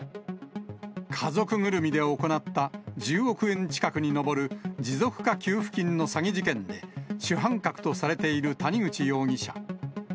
家族ぐるみで行った１０億円近くに上る持続化給付金の詐欺事件で、主犯格とされている谷口容疑者。